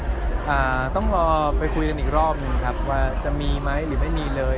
อ่าต้องรอไปคุยกันอีกรอบหนึ่งครับว่าจะมีไหมหรือไม่มีเลย